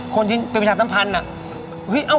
คนที่เป็นมัมพันอ่ะ